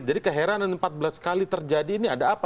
jadi keheranan empat belas kali terjadi ini ada apa